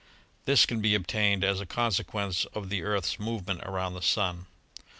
This can be obtained as a consequence of the Earth's movement around the Sun.